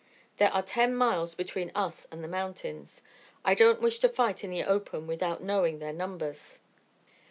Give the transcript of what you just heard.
There are ten miles between us and the mountains. I don't wish to fight in the open without knowing their numbers."